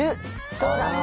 どうだ？